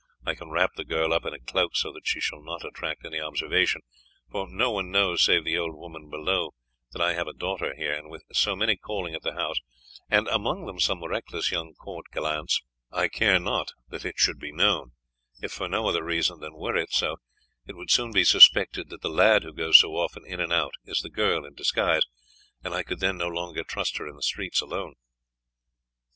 I can wrap the girl up in a cloak so that she shall not attract any observation, for no one knows, save the old woman below, that I have a daughter here; and with so many calling at the house, and among them some reckless young court gallants, I care not that it should be known, if for no other reason than, were it so, it would be soon suspected that the lad who goes so often in and out is the girl in disguise, and I could then no longer trust her in the streets alone."